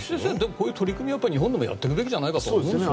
こういう取り組みは日本でもやっていくべきじゃないかと思うんですが。